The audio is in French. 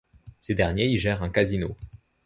Ces derniers y gèrent un casino.